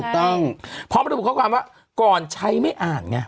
ถูกต้องพอมันถูกเข้าความว่าก่อนใช้ไม่อ่านไง